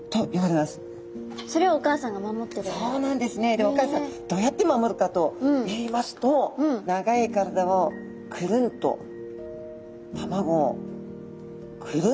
でお母さんどうやって守るかといいますと長い体をくるんと卵をくるんで。